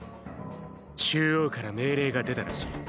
中央から命令が出たらしい。